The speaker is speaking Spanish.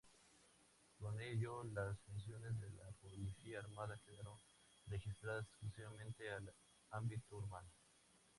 Con ello, las funciones de la Policía armada quedaron restringidas exclusivamente al ámbito urbano.